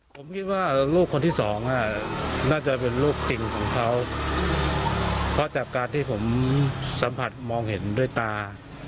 ผมคิดว่าลูกคนที่สองน่าจะเป็นลูกจริงของเขาเพราะจากการที่ผมสัมผัสมองเห็นด้วยตา